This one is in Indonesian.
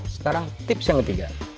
sekarang tips yang ketiga